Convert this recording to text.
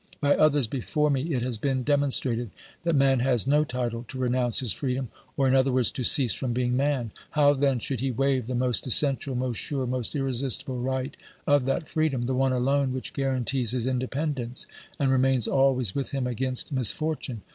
By others before me it has been demon strated that man has no title to renounce his freedom, or, in other words, to cease from being man ; how then should he waive the most essential, most sure, most irresistible right of that freedom, the one alone which guarantees his independence and remains always with him against mis fortune